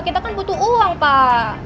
kan butuh uang pak